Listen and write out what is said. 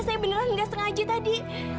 saya beneran nggak sengaja tadi